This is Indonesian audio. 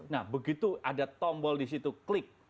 nah begitu ada tombol di situ klik